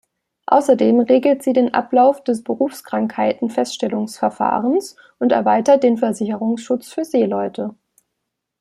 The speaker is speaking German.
Außerdem regelt sie den Ablauf des Berufskrankheiten-Feststellungsverfahrens und erweitert den Versicherungsschutz für Seeleute.